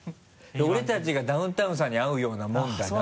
俺たちがダウンタウンさんに会うようなもんだ